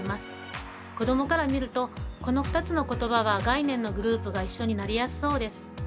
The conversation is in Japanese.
子どもから見るとこの２つの言葉は概念のグループが一緒になりやすそうです。